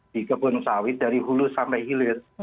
di kebun sawit dari hulu sampai hilir